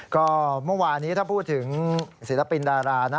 ก็เมื่อวานี้ถ้าพูดถึงศิลปินดารานะ